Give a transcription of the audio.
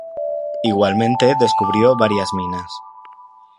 Igualmente descubrió varias minas.